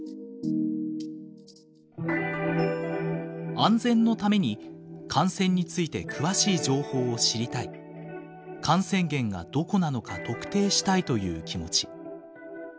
安全のために感染について詳しい情報を知りたい感染源がどこなのか特定したいという気持ち。